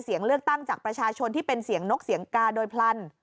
เสียงเลือกตั้งจากประชาชนที่เป็นเสียงนกเสียงกาโดยพลัน